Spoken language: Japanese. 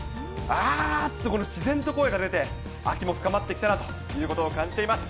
あーって、この自然と声が出て、秋も深まってきたなということを感じています。